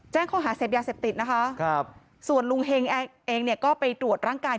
แจ้งข้อหาเสพยาเสพติดนะคะครับส่วนลุงเฮงเองเนี่ยก็ไปตรวจร่างกาย